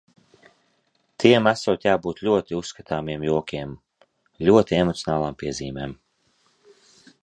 Tiem esot jābūt ļoti uzskatāmiem jokiem, ļoti emocionālām piezīmēm.